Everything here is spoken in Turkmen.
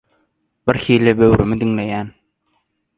birhili böwrümi diňleýän.